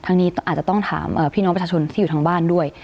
นี้อาจจะต้องถามพี่น้องประชาชนที่อยู่ทางบ้านด้วย